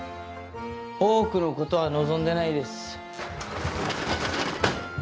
多くのことは望んでないです。